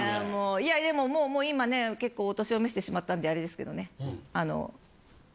いやでももう今ね結構お年を召してしまったんであれですけどねあの。